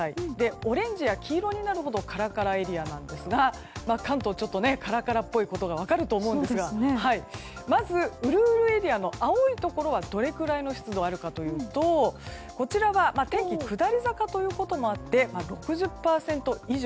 オレンジや黄色になるほどカラカラエリアなんですが関東、カラカラっぽいことが分かると思うんですがまず、ウルウルエリアの青いところはどれくらいの湿度があるかというとこちらは天気下り坂ということもあって６０％以上。